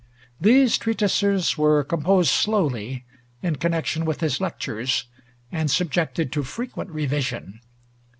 These treatises were composed slowly, in connection with his lectures, and subjected to frequent revision.